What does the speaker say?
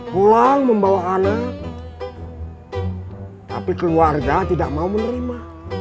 pulang membawa anak tapi keluarga tidak mau menerima